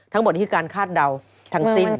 ทั้งหมดอิทธิการคาดเดาทั้งสิ้น